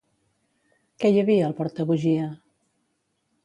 Què hi havia al portabugia?